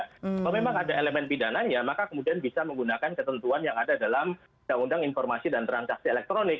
kalau memang ada elemen pidananya maka kemudian bisa menggunakan ketentuan yang ada dalam undang undang informasi dan transaksi elektronik